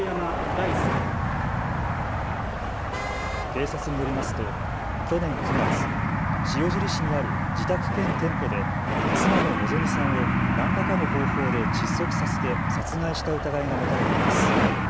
警察によりますと去年９月、塩尻市にある自宅兼店舗で妻の希美さんを何らかの方法で窒息させて殺害した疑いが持たれています。